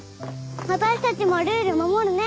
私たちもルール守るね！